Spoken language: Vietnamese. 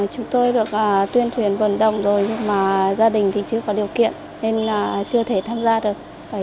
chúng tôi được tuyên truyền vận động rồi nhưng mà gia đình thì chưa có điều kiện nên là chưa thể tham gia được